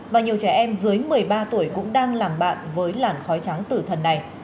và nhiều trẻ em dưới một mươi ba tuổi cũng đang làm bạn với làn khói trắng tử thần này